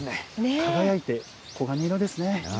輝いて、黄金色ですね。